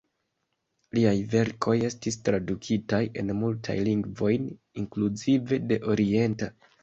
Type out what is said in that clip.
Liaj verkoj estis tradukitaj en multajn lingvojn, inkluzive de orienta.